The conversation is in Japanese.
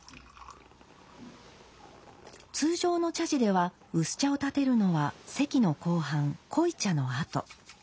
通常の茶事では薄茶を点てるのは席の後半濃茶のあと。